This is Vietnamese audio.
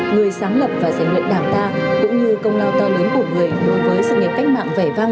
người sáng lập và giành luyện đảng ta cũng như công lao to lớn của người đối với sự nghiệp cách mạng vẻ vang